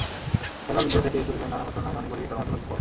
খেলোয়াড় বিদ্রোহ থেকে শুরু করে নানা ঘটনায় অনেকবারই টালমাটাল হয়েছে পদ।